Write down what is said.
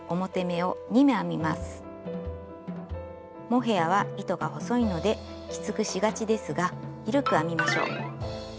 モヘアは糸が細いのできつくしがちですが緩く編みましょう。